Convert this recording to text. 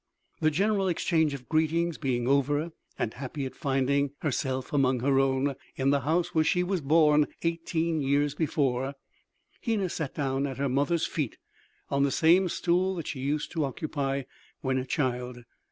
The general exchange of greetings being over, and happy at finding herself among her own, in the house where she was born eighteen years before, Hena sat down at her mother's feet on the same stool that she used to occupy when a child.